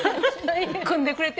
くんでくれて。